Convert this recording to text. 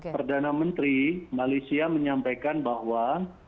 perdana menteri malaysia menyampaikan bahwa